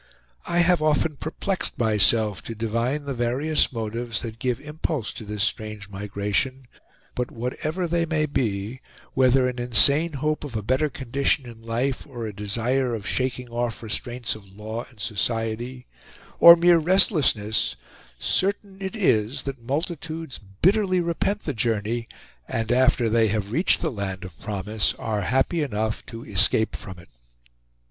I have often perplexed myself to divine the various motives that give impulse to this strange migration; but whatever they may be, whether an insane hope of a better condition in life, or a desire of shaking off restraints of law and society, or mere restlessness, certain it is that multitudes bitterly repent the journey, and after they have reached the land of promise are happy enough to escape from it.